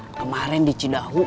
kemarin di cidahu